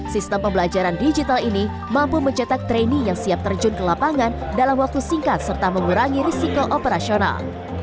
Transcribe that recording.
sistem pembelajaran digital ini mampu mencetak training yang siap terjun ke lapangan dalam waktu singkat serta mengurangi risiko operasional